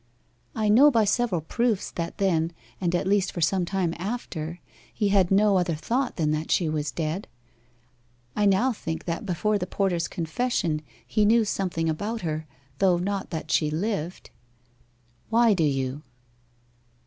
'I know by several proofs that then, and at least for some time after, he had no other thought than that she was dead. I now think that before the porter's confession he knew something about her though not that she lived.' 'Why do you?